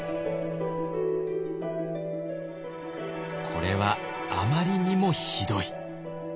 これはあまりにもひどい。